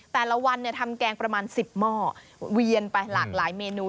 แต่ละวันทำแกงประมาณ๑๐หม้อเวียนไปหลากหลายเมนู